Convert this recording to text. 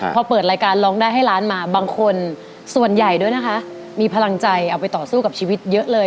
พอเปิดรายการร้องได้ให้ล้านมาบางคนส่วนใหญ่ด้วยนะคะมีพลังใจเอาไปต่อสู้กับชีวิตเยอะเลย